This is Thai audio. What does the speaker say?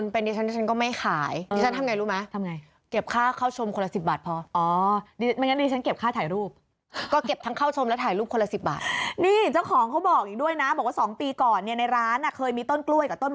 พออีกยังไม่รู้จะตั้งไว้นี่ก่อน